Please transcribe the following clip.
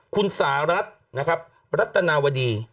คุณสหรัฐนะครับรัตนาวดี